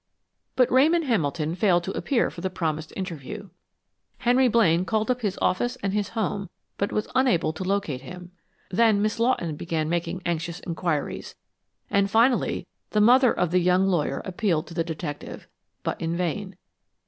But Ramon Hamilton failed to appear for the promised interview. Henry Blaine called up his office and his home, but was unable to locate him. Then Miss Lawton began making anxious inquiries, and finally the mother of the young lawyer appealed to the detective, but in vain.